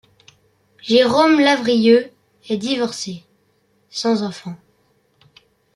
Jérôme Lavrilleux est divorcé, sans enfant.